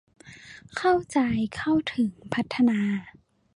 เข้าใจ เข้าถึง พัฒนา